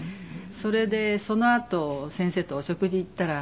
それでそのあと先生とお食事行ったら。